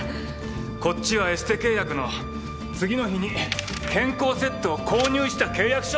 こっちはエステ契約の次の日に健康セットを購入した契約書！